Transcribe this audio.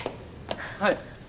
はい。